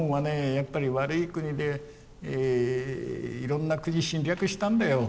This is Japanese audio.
やっぱり悪い国でいろんな国侵略したんだよ